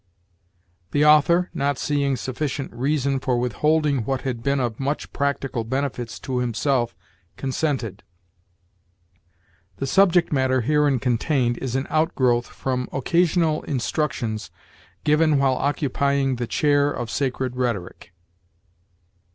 "The author, not seeing sufficient reason for withholding what had been of much practical benefit to himself, consented. "The subject matter herein contained is an outgrowth from occasional instructions given while occupying the chair of Sacred Rhetoric."